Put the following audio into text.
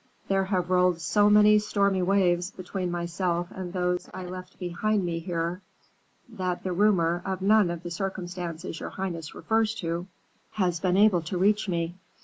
There have rolled so many stormy waves between myself and those I left behind me here, that the rumor of none of the circumstances your highness refers to, has been able to reach me."